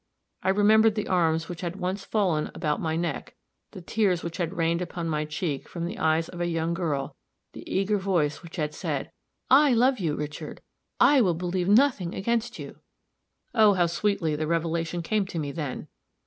I remembered the arms which had once fallen about my neck, the tears which had rained upon my cheek from the eyes of a young girl, the eager voice which had said, "I love you Richard! I will believe nothing against you!" Oh, how sweetly the revelation came to me then!